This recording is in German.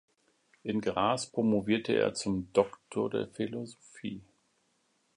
In Graz promovierte er zum Doktor der Philosophie.